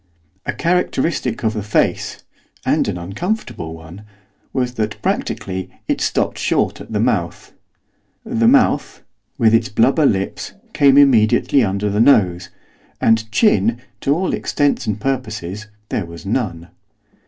A characteristic of the face and an uncomfortable one! was that, practically, it stopped short at the mouth. The mouth, with its blubber lips, came immediately underneath the nose, and chin, to all intents and purposes, there was none.